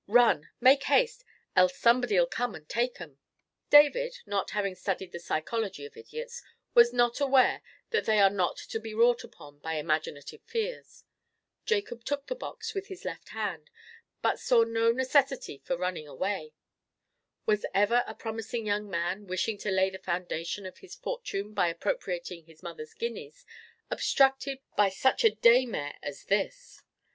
Run!—make haste!—else somebody'll come and take 'em." David, not having studied the psychology of idiots, was not aware that they are not to be wrought upon by imaginative fears. Jacob took the box with his left hand, but saw no necessity for running away. Was ever a promising young man wishing to lay the foundation of his fortune by appropriating his mother's guineas obstructed by such a day mare as this?